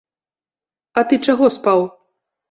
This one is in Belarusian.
А ты чаго спаў?